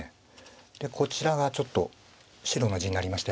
でこちらがちょっと白の地になりましたよね。